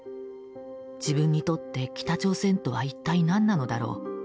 自分にとって北朝鮮とは一体何なのだろう。